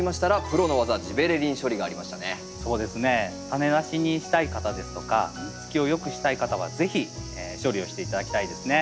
種無しにしたい方ですとか実つきを良くしたい方は是非処理をして頂きたいですね。